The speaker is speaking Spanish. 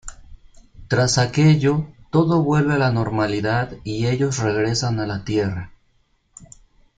Tras aquello, todo vuelve a la normalidad y ellos regresan a la Tierra.